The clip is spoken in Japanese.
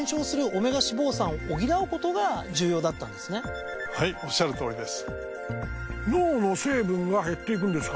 つまりはいおっしゃるとおりです。